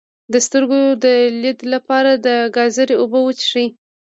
د سترګو د لید لپاره د ګازرې اوبه وڅښئ